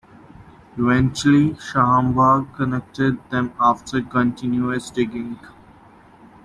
Eventually Shambaugh connected them after continuous digging.